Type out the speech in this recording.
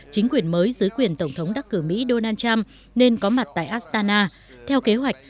chính quyền mới dưới quyền tổng thống đắc cử mỹ donald trump nên có mặt tại astana theo kế hoạch